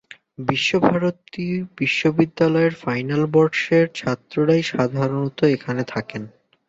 বিশ্বভারতী বিশ্ববিদ্যালয়ের ফাইনাল বর্ষের ছাত্ররাই সাধারণত এখানে থাকেন।